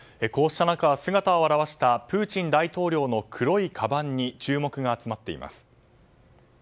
こうした中、姿を現したプーチン大統領の黒いかばんに注目が集まっています。